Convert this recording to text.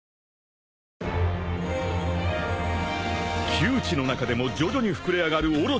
［窮地の中でも徐々に膨れ上がるオロチの執念］